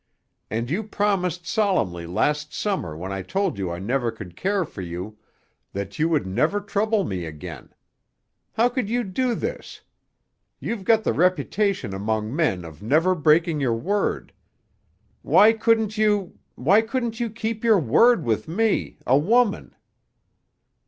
"And you promised solemnly last Summer when I told you I never could care for you that you would never trouble me again. How could you do this? You've got the reputation among men of never breaking your word. Why couldn't you—why couldn't you keep your word with me—a woman?"